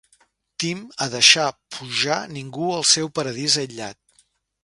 Tim a deixar pujar ningú al seu paradís aïllat.